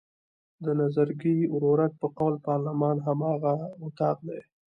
د نظرګي ورورک په قول پارلمان هم هماغه اطاق دی.